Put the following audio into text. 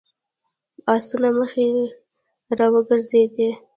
د آسونو مخې را وګرځېدې.